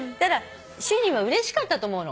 主人はうれしかったと思うの。